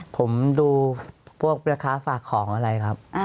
ผมดูพวกแม่ค้าฝากของอะไรครับ